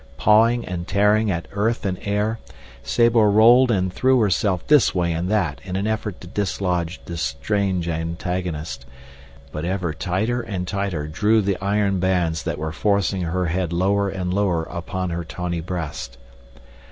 Pawing and tearing at earth and air, Sabor rolled and threw herself this way and that in an effort to dislodge this strange antagonist; but ever tighter and tighter drew the iron bands that were forcing her head lower and lower upon her tawny breast.